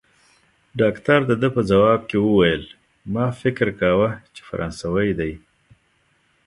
ډاکټر د ده په ځواب کې وویل: ما فکر کاوه، چي فرانسوی دی.